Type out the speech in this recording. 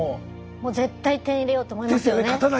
もう絶対点入れようと思いますよね。ですよね。